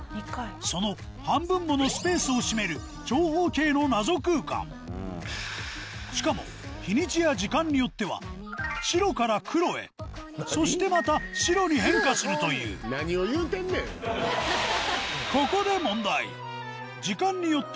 その半分ものスペースを占める長方形の謎空間しかも日にちや時間によっては白から黒へそしてまた白に変化するというここで問題！